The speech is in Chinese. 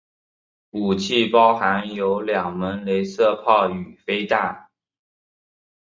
武器包含有两门雷射炮与飞弹。